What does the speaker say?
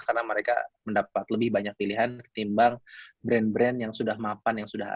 karena mereka mendapat lebih banyak pilihan ketimbang brand brand yang sudah mapan yang sudah ada